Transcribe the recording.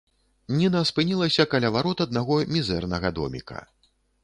Ніна спынілася каля варот аднаго мізэрнага доміка.